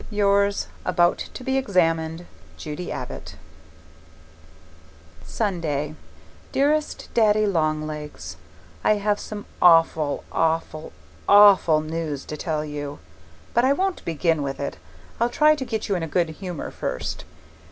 Yours, about to be examined, Judy Abbott Sunday Dearest Daddy Long Legs, I have some awful, awful, awful news to tell you, but I won't begin with it; I'll try to get you in a good humour first.